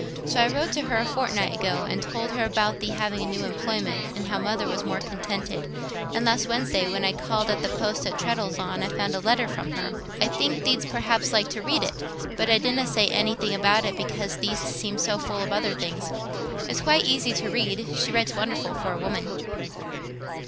So I wrote to her a fortnight ago, and told her about thee having a new employment, and how Mother was more contented; and last Wednesday, when I called at the post at Treddles'on, I found a letter from her. I think thee'dst perhaps like to read it, but I didna say anything about it because thee'st seemed so full of other things. It's quite easy t' read—she writes wonderful for a woman."